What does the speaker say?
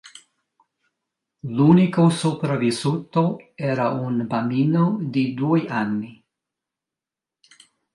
L'unico sopravvissuto era un bambino di due anni.